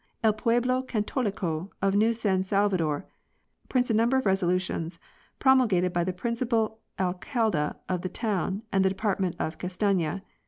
"El Pueblo Catélico,'' of New San Salgadon prints a number of reso lutions promulgated by the principal alcalde of the town and department of Castafias.